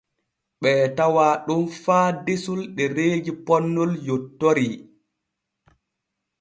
Ɓee tawaa ɗon faa desol ɗereeji ponnol yontori.